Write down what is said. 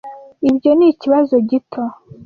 Ibyo nikibazo gito.